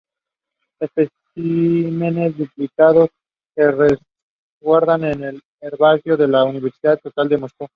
Especímenes duplicados se resguardan en el Herbario de la Universidad Estatal de Moscú.